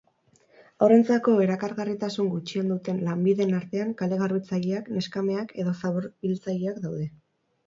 Haurrentzako erakargarritasun gutxien duten lanbideen artean kale-garbitzaileak, neskameak edo zabor-biltzaileak daude.